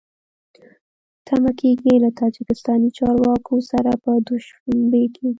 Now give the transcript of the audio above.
تمه کېږي له تاجکستاني چارواکو سره په دوشنبه کې